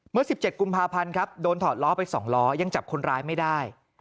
เมื่อ๑๗กุมภาพันธ์ครับโดนถอดล้อไป๒ล้อยังจับคนร้ายไม่ได้